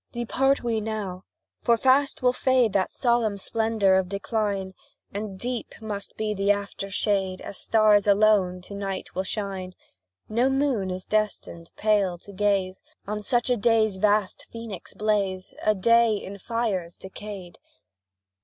Depart we now for fast will fade That solemn splendour of decline, And deep must be the after shade As stars alone to night will shine; No moon is destined pale to gaze On such a day's vast Phoenix blaze, A day in fires decayed!